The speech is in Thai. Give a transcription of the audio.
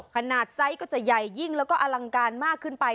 ไซส์ก็จะใหญ่ยิ่งแล้วก็อลังการมากขึ้นไป